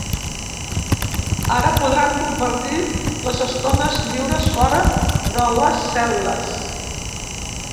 Ara podran compartir les estones lliures fora de les cel·les.